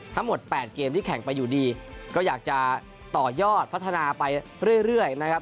ทั้งหมด๘เกมที่แข่งไปอยู่ดีก็อยากจะต่อยอดพัฒนาไปเรื่อยนะครับ